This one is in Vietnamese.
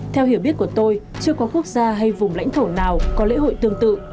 theo hiểu biết của tôi chưa có quốc gia hay vùng lãnh thổ nào có lễ hội tương tự